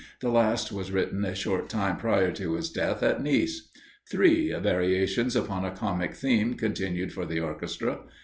The last was written a short time prior to his death, at Nice. 3. Variations upon a comic theme continued for the orchestra.